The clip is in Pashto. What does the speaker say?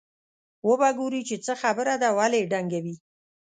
وبه ګورو چې څه خبره ده ولې یې ډنګوي.